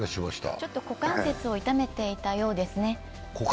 ちょっと股関節を痛めていたようですね。